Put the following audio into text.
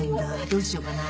どうしようかな？